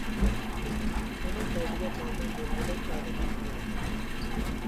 ئۇنىڭ دەردىگە دەرمان بولغۇدەك ئادەم چىقمايۋاتاتتى.